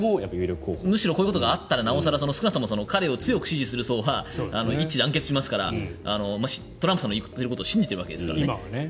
こういうことがあっても彼を強く支持する層は一致団結しますからトランプさんの言っていることを信じているわけですから。